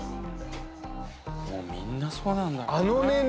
もうみんなそうなんだな。